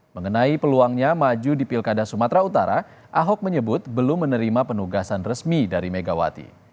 mengenai peluangnya maju di pilkada sumatera utara ahok menyebut belum menerima penugasan resmi dari megawati